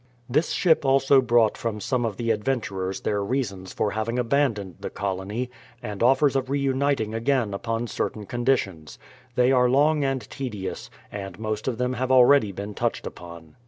This ship also brought from some of the adventurers their reasons for having abandoned the colony, and offers of re uniting again upon certain conditions. They are long and tedious, and most of them have already been touched upon.